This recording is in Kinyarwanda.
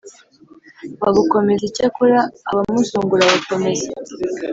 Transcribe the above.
babukomeza Icyakora abamuzungura bakomeza